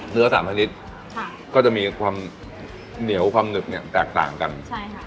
เนื้อสามชนิดค่ะก็จะมีความเหนียวความหนึบเนี่ยแตกต่างกันใช่ค่ะ